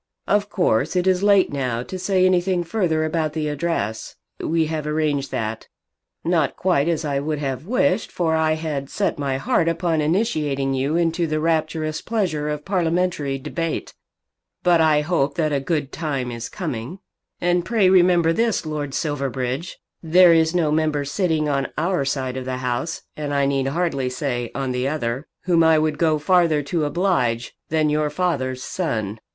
"Of course it is late now to say anything further about the address. We have arranged that. Not quite as I would have wished, for I had set my heart upon initiating you into the rapturous pleasure of parliamentary debate. But I hope that a good time is coming. And pray remember this, Lord Silverbridge; there is no member sitting on our side of the House, and I need hardly say on the other, whom I would go farther to oblige than your father's son."